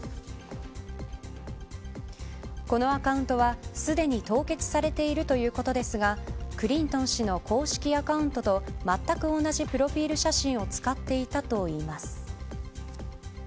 このアカウントはすでに凍結されているということですがクリントン氏の公式アカウントとまったく同じプロフィル写真を使っていたといいます。